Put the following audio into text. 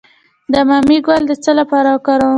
د بامیې ګل د څه لپاره وکاروم؟